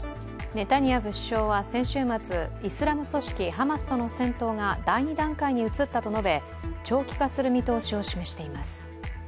ネタニヤフ首相は先週末イスラム組織ハマスとの戦闘が第２段階に移ったと述べ、長期化する見通しを示しています。